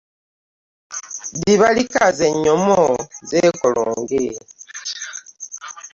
Ddiba likaze enyomo zikolonge .